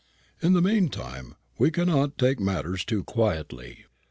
In the mean time we cannot take matters too quietly.